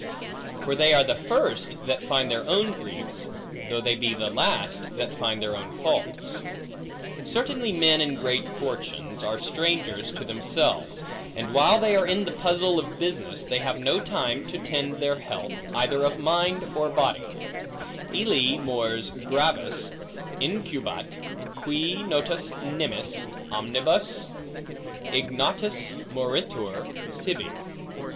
For they are the first, that find their own griefs, though they be the last, that find their own faults. Certainly men in great fortunes are strangers to themselves, and while they are in the puzzle of business, they have no time to tend their health, either of body or mind. Illi mors gravis incubat, qui notus nimis omnibus, ignotus moritur sibi.